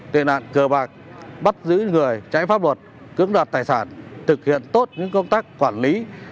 tệ nạn cờ bạc bắt giữ người trái pháp luật cưỡng đoạt tài sản thực hiện tốt những công tác quản lý